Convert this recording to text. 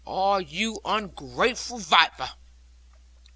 Ah, you ungrateful viper!'